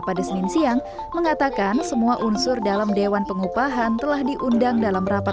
pemprov dki jakarta